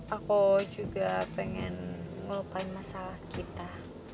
aku juga pengen ngelupain masalah kita